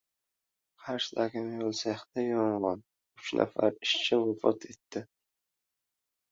Qarshidagi mebel sexida yong‘in: uch nafar ishchi vafot etdi